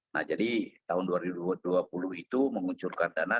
nah jadi tahun dua ribu dua puluh itu menguncurkan dana